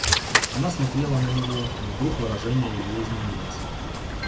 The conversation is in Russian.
Она смотрела на него, но вдруг выражение ее изменилось.